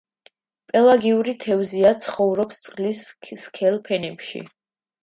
პელაგიური თევზია, ცხოვრობს წყლის სქელ ფენებში.